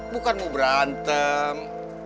bukan mau berantem